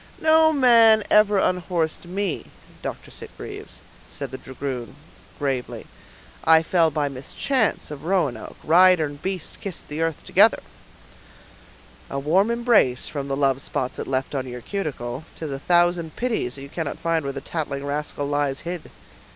"No man ever unhorsed me, Dr. Sitgreaves," said the dragoon, gravely. "I fell by mischance of Roanoke; rider and beast kissed the earth together." "A warm embrace, from the love spots it left on your cuticle; 'tis a thousand pities that you cannot find where the tattling rascal lies hid."